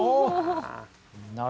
お！